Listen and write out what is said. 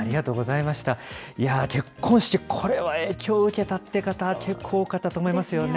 いやー、結婚式、これは影響受けたという方、結構多かったと思いますよね。